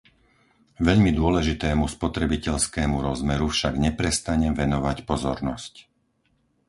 Veľmi dôležitému spotrebiteľskému rozmeru však neprestanem venovať pozornosť.